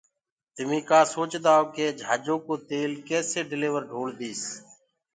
تميٚ ڪآ سوچدآئو ڪيِ جھآجو ڪو تيل ڪيسي ڊليور ڍوݪديس